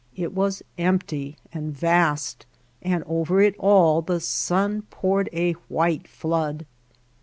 It was empty and vast, and over it all the sun poured a white flood.